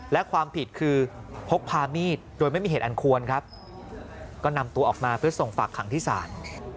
และความผิดคือพกพามีดโดยไม่มีเหตุอันควรครับก็นำตัวออกมาเพื่อส่งฝากขังที่ศาล